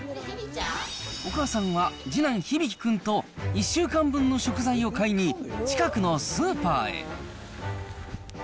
お母さんは次男、響君と１週間分の食材を買いに近くのスーパーへ。